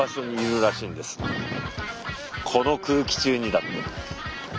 この空気中にだって。